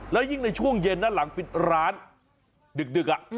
แล้วยิ่งในช่วงเย็นนั้นหลังปิดร้านดึก